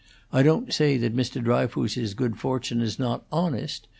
I don't say that Mr. Dryfoos's good fortune is not honest.